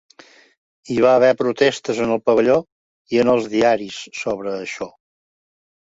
Hi va haver protestes en el Pavelló i en els diaris sobre això.